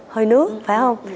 hơi nước phải không